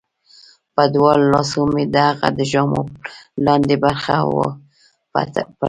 په دواړو لاسو مې د هغه د ژامو لاندې برخه وپلټله